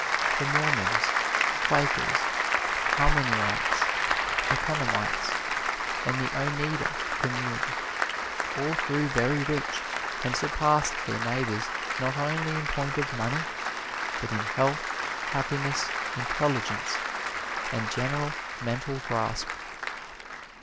The Mormons, Quakers, Harmonyites, Economites, and the Oneida Community, all grew very rich, and surpassed their neighbors not only in point of money, but in health, happiness, intelligence and general mental grasp.